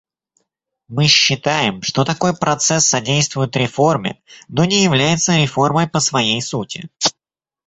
Мы считаем, что такой процесс содействует реформе, но не является реформой по своей сути.